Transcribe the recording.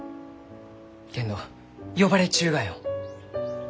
けんど呼ばれちゅうがよ。